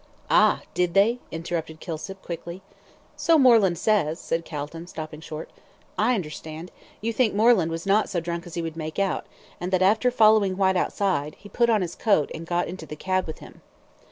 "Ah, did they?" interrupted Kilsip, quickly. "So Moreland says," said Calton, stopping short. "I understand; you think Moreland was not so drunk as he would make out, and that after following Whyte outside, he put on his coat, and got into the cab with him."